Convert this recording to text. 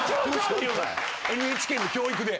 ＮＨＫの教育で。